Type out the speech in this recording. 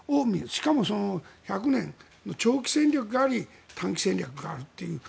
しかも１００年の長期戦略があり短期戦略があるという。